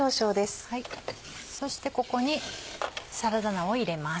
そしてここにサラダ菜を入れます。